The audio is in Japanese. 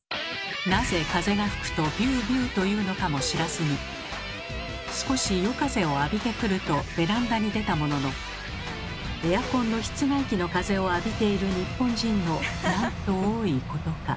なぜ風が吹くと「ビュービュー」というのかも知らずに「少し夜風を浴びてくる」とベランダに出たもののエアコンの室外機の風を浴びている日本人のなんと多いことか。